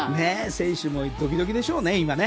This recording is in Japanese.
選手もドキドキでしょうね。